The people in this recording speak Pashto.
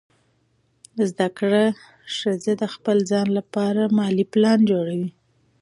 زده کړه ښځه د خپل ځان لپاره مالي پلان جوړوي.